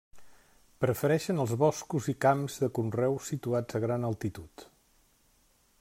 Prefereixen els boscos i camps de conreu situats a gran altitud.